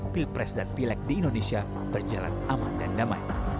pilpres dan pileg di indonesia berjalan aman dan damai